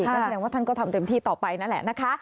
ก็แสดงว่าท่านก็ทำเต็มที่ต่อไปนั่นแหละนะคะ